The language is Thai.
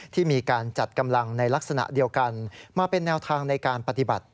ที่มีการจัดกำลังในลักษณะเดียวกันมาเป็นแนวทางในการปฏิบัติ